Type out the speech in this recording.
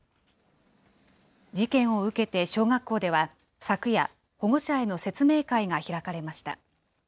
事件を受けて小学校では、昨夜、保護者への説明会が開かれました。